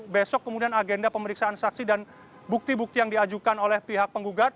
besok kemudian agenda pemeriksaan saksi dan bukti bukti yang diajukan oleh pihak penggugat